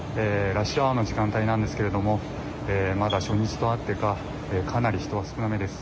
ラッシュアワーの時間帯なんですがまだ初日とあってかかなり人は少なめです。